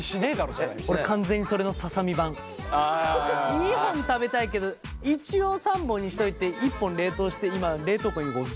２本食べたいけど一応３本にしといて１本冷凍して今冷凍庫にずらっと棒が。